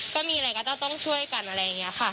ก็มีอะไรก็ต้องช่วยกันอะไรอย่างนี้ค่ะ